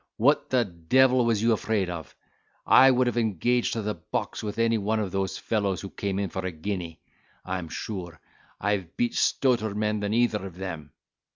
What the devil was you afraid of? I would have engaged to box with any one of those fellows who came in for a guinea—I'm sure—I have beat stouter men than either of them."